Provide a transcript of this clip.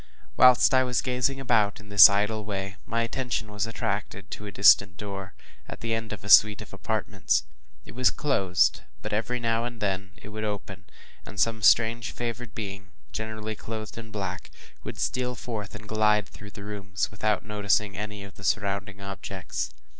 Whilst I was gazing about in this idle way, my attention was attracted to a distant door, at the end of a suite of apartments. It was closed, but every now and then it would open, and some strange favored being, generally clothed in black, would steal forth, and glide through the rooms, without noticing any of the surrounding objects.